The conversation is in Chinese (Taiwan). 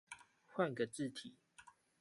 換個字體